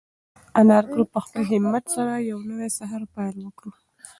انارګل په خپل همت سره د یو نوي سهار پیل وکړ.